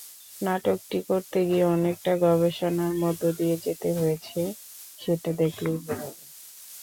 নাটকটি করতে গিয়ে অনেকটা গবেষণার মধ্য দিয়ে যেতে হয়েছে—সেটা দেখলেই বোঝা যায়।